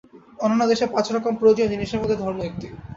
অন্যান্য দেশে পাঁচ রকম প্রয়োজনীয় জিনিষের মধ্যে ধর্ম একটি।